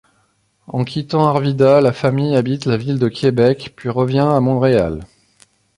En quittant Arvida, la famille habite la ville de Québec, puis revient à Montréal.